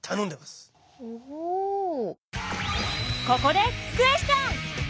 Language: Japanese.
ここでクエスチョン！